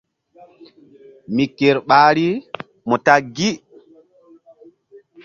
Mi ker ɓahri mu ta gi.